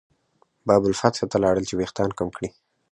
باب الفتح ته لاړل چې وېښتان کم کړي.